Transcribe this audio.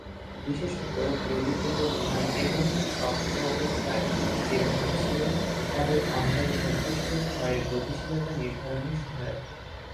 বিশেষত, দ্রবীভূত ভার এবং শক্ত অবস্থায় যে ভার ছিল তাদের অন্তর ভূপৃষ্ঠের ক্ষয়ের গতিশীলতা নির্ধারণে সহায়ক।